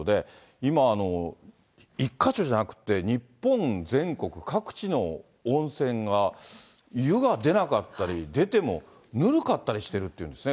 今、１か所じゃなくて、日本全国各地の温泉が、湯が出なかったり、出てもぬるかったりしてるっていうんですね。